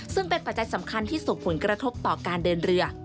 ซึ่งเป็นปัจจัยสำคัญที่ส่งผลกระทบต่อการเดินเรือ